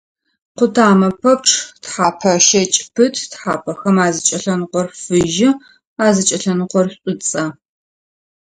Къутамэ пэпчъ тхьэпэ щэкӀ пыт, тхьапэхэм азыкӀэлъэныкъор фыжьы, азыкӀэлъэныкъор шӀуцӀэ.